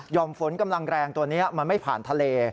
่อมฝนกำลังแรงตัวนี้มันไม่ผ่านทะเล